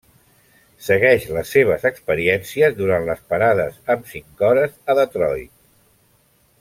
Segueix les seves experiències durant les parades amb cinc hores a Detroit.